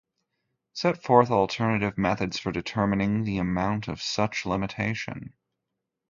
Sets forth alternative methods for determining the amount of such limitation.